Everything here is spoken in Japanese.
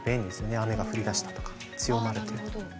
雨が降りだしたとか強まるとか。